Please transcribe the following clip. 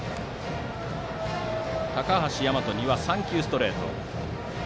高橋大和には３球ストレート。